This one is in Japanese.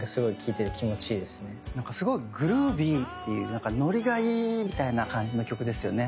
なんかすごいグルービーっていうなんかノリがいい！みたいな感じの曲ですよね。